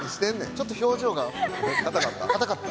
ちょっと表情が硬かった。